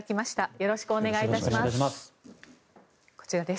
よろしくお願いします。